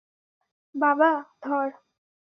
বাবা, ধর!